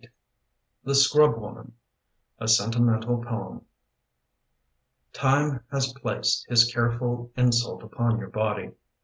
THE SCRUB WOMAN (A Sentimental Poem) TIME has placed his careful insult Upon your body.